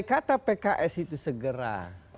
kata pks itu segera